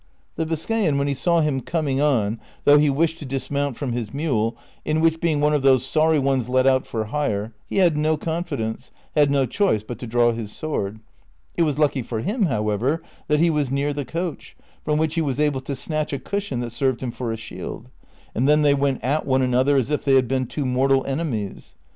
The Biscayan, when he saw him coming on, though he wished to dismount from his mule, in which, being one of those sorry ones let out for hire, he had no confidence, had no choice but to draw his sword ; it was lucky for him, however, that he was near the coach, from which he was able to snatch a cushion that served him for a shield ; and then they went at one another as if they had been two mortal enemies.